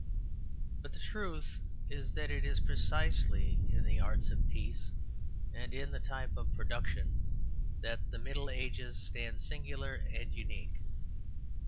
But the truth is that it is precisely in the arts of peace, and in the type of production, that the Middle Ages stand singular and unique.